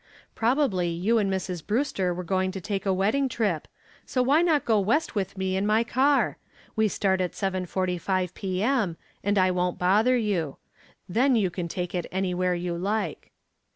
Probably you and Mrs. Brewster were going to take a wedding trip, so why not go west with me in my car? We start at 7:45 P.M. and I won't bother you. Then you can take it anywhere you like.